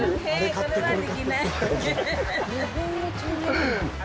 これは何？